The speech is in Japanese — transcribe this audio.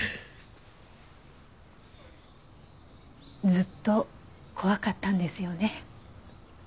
ずっと怖かったんですよね。